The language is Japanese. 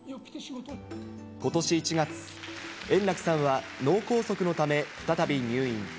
ことし１月、円楽さんは脳梗塞のため再び入院。